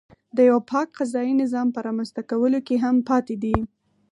د یوه پاک قضایي نظام په رامنځته کولو کې هم پاتې دی.